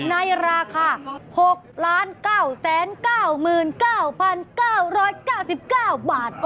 ในราคา๖๙๙๙๙๙บาท